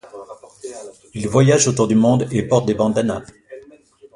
Ils voyagent autour du monde et portent des bandanas.